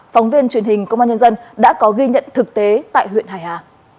phóng viên truyền hình công an nhân dân đã có ghi nhận thực tế tại huyện hải hà